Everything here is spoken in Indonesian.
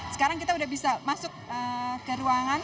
sekarang kita udah bisa masuk ke ruangan